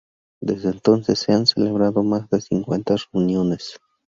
Desde entonces, se han celebrado más de cincuenta reuniones.